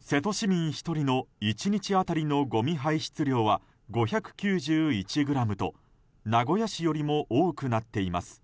瀬戸市民１人の１日当たりのごみ排出量は５９１ｇと名古屋市よりも多くなっています。